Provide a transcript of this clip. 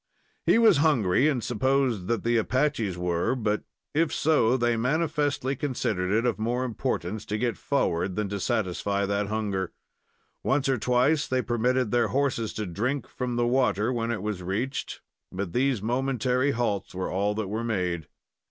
He was hungry and supposed that the Apaches were; but, if so, they manifestly considered it of more importance to get forward than to satisfy that hunger. Once or twice they permitted their horses to drink from the water when it was reached, but these momentary halts were all that were made.